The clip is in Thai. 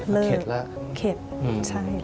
เลิกเข็ดละเข็ดใช่